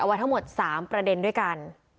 ไว้ทั้งหมด๓ประเด็นด้วยกัน